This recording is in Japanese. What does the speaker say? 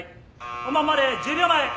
本番まで１０秒前。